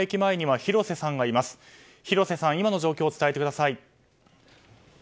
広瀬さん、今の状況を伝えてください。